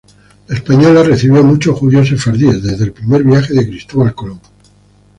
La Española recibió muchos judíos sefardíes desde el primer viaje de Cristóbal Colón.